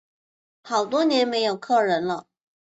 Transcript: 好多年没有客人了